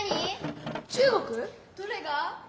どれが？